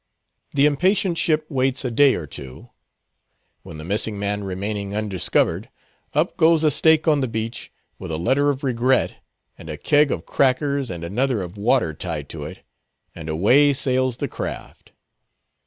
The impatient ship waits a day or two; when, the missing man remaining undiscovered, up goes a stake on the beach, with a letter of regret, and a keg of crackers and another of water tied to it, and away sails the craft.